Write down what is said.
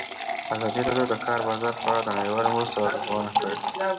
ازادي راډیو د د کار بازار په اړه د نړیوالو مرستو ارزونه کړې.